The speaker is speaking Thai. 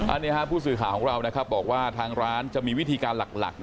อันนี้ผู้สื่อข่าวของเราบอกว่าทางร้านจะมีวิธีการหลัก